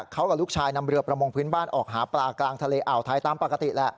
เขากับลูกชายนำเรือประมงพื้นบ้านออกหาปลากลางทะเลอ่าวไทยตามปกติแหละ